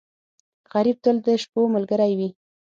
غریب تل د شپو ملګری وي